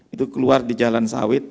itu keluar di jalan sawit